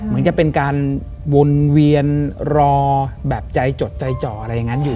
เหมือนจะเป็นการวนเวียนรอแบบใจจดใจจ่ออะไรอย่างนั้นอยู่